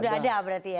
sudah ada berarti ya